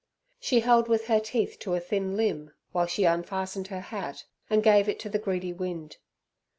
She held with her teeth to a thin limb, while she unfastened her hat and gave it to the greedy wind.